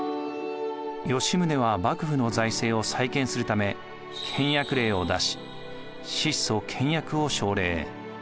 吉宗は幕府の財政を再建するため倹約令を出し質素倹約を奨励。